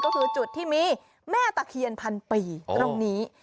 ก็คือจุดที่มีแม่ตะเคียนพันปีตรงนี้